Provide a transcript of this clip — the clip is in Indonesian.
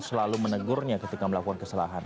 selalu menegurnya ketika melakukan kesalahan